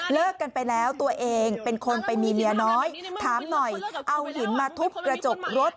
กันไปแล้วตัวเองเป็นคนไปมีเมียน้อยถามหน่อยเอาหินมาทุบกระจกรถ